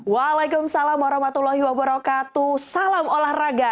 waalaikumsalam warahmatullahi wabarakatuh salam olahraga